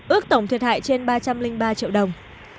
ước tổng thiệt hại trên ba trăm linh ba triệu đồng